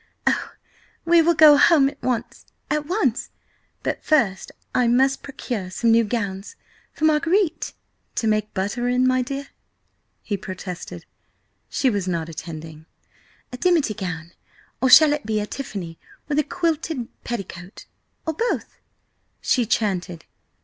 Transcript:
Oh, we will go home at once–at once! But first I must procure some new gowns from Marguerite!" "To make butter in, dear?" he protested. She was not attending. "A dimity gown–or shall it be of tiffany with a quilted petticoat? Or both?" she chanted.